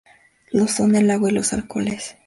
Lo son el agua y los alcoholes.